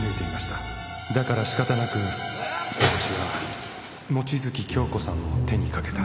「だから仕方なく私は望月京子さんも手にかけた」